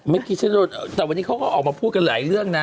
เมื่อกี้ฉันโดนแต่วันนี้เขาก็ออกมาพูดกันหลายเรื่องนะ